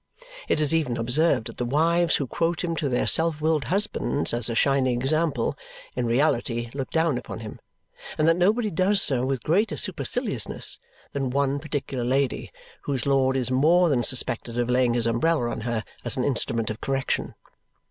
It is even observed that the wives who quote him to their self willed husbands as a shining example in reality look down upon him and that nobody does so with greater superciliousness than one particular lady whose lord is more than suspected of laying his umbrella on her as an instrument of correction.